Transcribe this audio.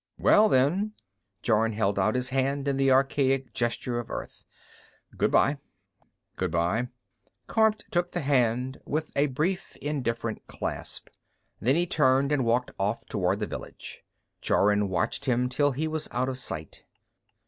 "Well, then " Jorun held out his hand in the archaic gesture of Earth. "Goodbye." "Goodbye." Kormt took the hand with a brief, indifferent clasp. Then he turned and walked off toward the village. Jorun watched him till he was out of sight.